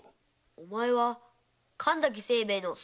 「お前は神崎清兵衛の伜か」って。